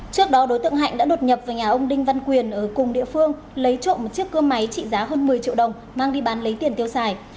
trước đó đối tượng hạnh đã đột nhập vào nhà ông đinh văn quyền ở cùng địa phương lấy trộm một chiếc cơ máy trị giá hơn một mươi triệu đồng mang đi bán lấy tiền tiêu xài